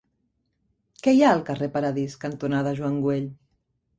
Què hi ha al carrer Paradís cantonada Joan Güell?